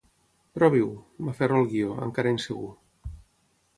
Provi-ho —m'aferro al guió, encara insegur.